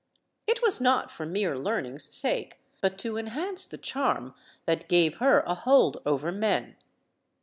It was not for mere learning's sake, but to enhance the charm that gave her a hold over men.